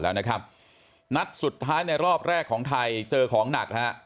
แล้วนะครับนัดสุดท้ายในรอบแรกของไทยเจอของหนักฮะ